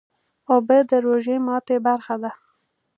اوبه د روژې ماتی برخه ده